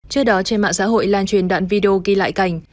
trước đó trên mạng xã hội lan truyền đoạn video ghi lại cảnh